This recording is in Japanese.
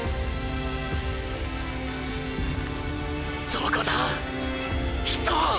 どこだっ。